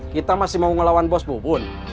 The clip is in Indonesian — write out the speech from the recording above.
kita masih mau ngelawan bos bu bun